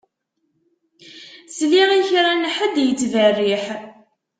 Sliɣ i kra n ḥedd yettberriḥ.